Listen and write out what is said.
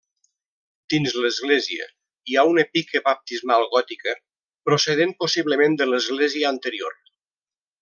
Dins l'església, hi ha una pica baptismal gòtica procedent possiblement de l'església anterior.